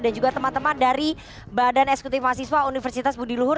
dan juga teman teman dari badan esekutif mahasiswa universitas bunda luhur